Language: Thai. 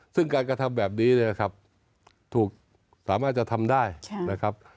ซึ่งการกระทำแบบนี้เนี่ยนะครับถูกสามารถจะทำได้นะครับ